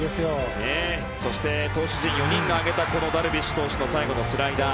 そして、投手陣４人が挙げたダルビッシュ投手の最後のスライダー。